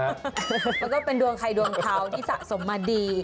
มันก็เป็นดวงไข่ดวงเท้าที่สะสมมาดี